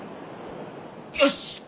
よし！